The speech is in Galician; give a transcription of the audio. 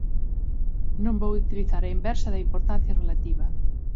Non vou utilizar a inversa da importancia relativa.